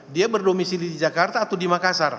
dia berdomisili di jakarta atau di makassar